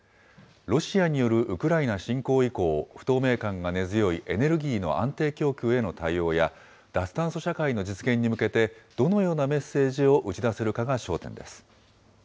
ロシアによるウクライナ侵攻以降、不透明感が根強いエネルギーの安定供給への対応や、脱炭素社会に実現に向けて、どのようなメッセージを打ち出せるかが焦点です。